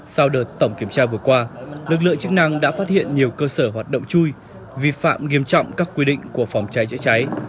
sau đợt tổng kiểm tra vừa qua lực lượng chức năng đã phát hiện nhiều cơ sở hoạt động chui vi phạm nghiêm trọng các quy định của phòng cháy chữa cháy